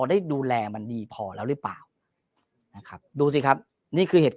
ได้ดูแลมันดีพอแล้วหรือเปล่านะครับดูสิครับนี่คือเหตุ